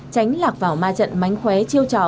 tránh lạc vào ma trận mánh khóe chiêu trò